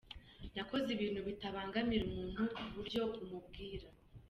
Nakoze ibintu bitabangamira umuntu ku buryo umubwira